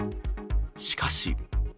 しかし。